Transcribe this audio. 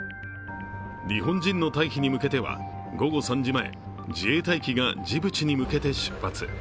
日本人の退避に向けては、午後３時前、自衛隊機がジブチに向けて出発。